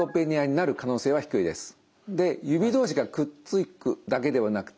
なる可能性が低いですね。